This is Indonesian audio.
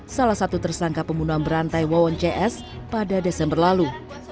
salah satu tersangka pembunuhan berantai wawon cs pada desember lalu